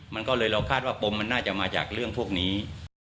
มันก็เลยเราคาดว่าปมมันน่าจะมาจากเรื่องพวกนี้